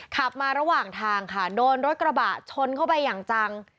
ขับมาระหว่างทางค่ะโดนรถกระบะชนเข้าไปอย่างจัง